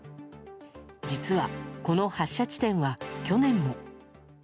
実は、この発射地点は去年も。